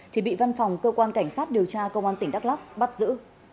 thì bị văn phòng cơ quan cảnh sát điều tra công an tỉnh đắk lắk bắt giữ